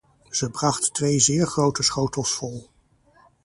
Ze bracht twee zeer grote schotels vol.